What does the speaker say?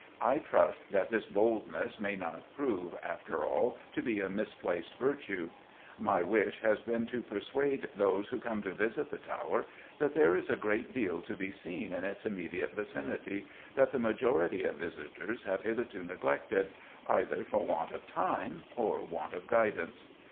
I trust that this boldness may not prove, after all, to be a misplaced virtue. My wish has been to persuade those who come to visit the Tower that there is a great deal to be seen in its immediate vicinity that the majority of visitors have hitherto neglected, either for want of time or want of guidance.